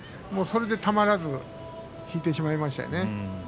そこでたまらず引いてしまいましたよね。